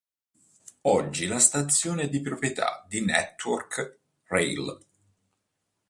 Oggi la stazione è di proprietà di Network Rail.